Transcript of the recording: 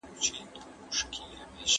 هغه وویل چي څېړنه د انسان ذهن روښانه کوي.